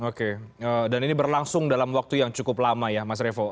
oke dan ini berlangsung dalam waktu yang cukup lama ya mas revo